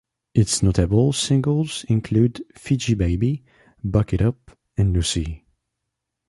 Its notable singles include "Fiji Baby", "Buck It Up" and "Lucy".